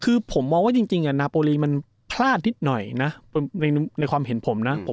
คือผมมองว่าจริงจริงอ่ะนาโปรลีมันพลาดนิดหน่อยน่ะในในความเห็นผมน่ะอืม